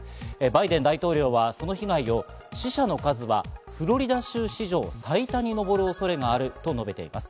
バイデン大統領はその被害を死者の数はフロリダ州史上最多に上る恐れがあると述べています。